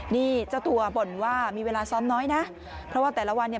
นี่เจ้าตัวบ่นว่ามีเวลาซ้อมน้อยนะเพราะว่าแต่ละวันเนี่ย